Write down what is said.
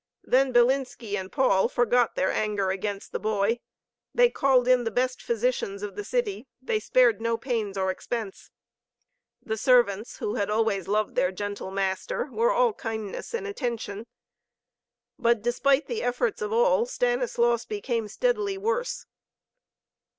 Then Bilinski and Paul forgot their anger against the boy. They called in the best physicians of the city, they spared no pains or expense. The servants, who had always loved this gentle master, were all kindness and attention. But despite the efforts of all, Stanislaus became steadily worse.